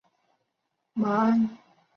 麻安德少年时期就读于华美学校。